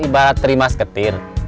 kita ibarat terima seketir